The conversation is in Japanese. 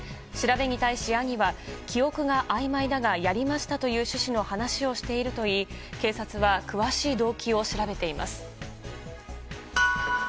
調べに対し、兄は、記憶があいまいだが、やりましたという趣旨の話をしているといい、警察は、詳しい動機を調べています。